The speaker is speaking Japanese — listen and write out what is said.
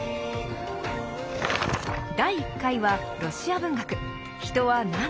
第１回はロシア文学。